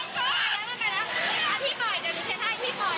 พี่ปล่อยเดี๋ยวหนูเชียร์ให้พี่ปล่อย